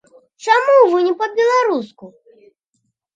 Чаму вы не па-беларуску?